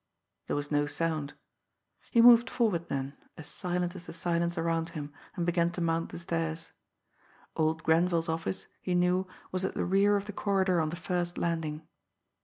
There was no sound. He moved forward then, as silent as the silence around him, and began to mount the stairs. Old Grenville's office, he knew, was at the rear of the corridor on the first landing.